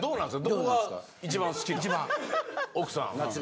どこが一番好きなんですか？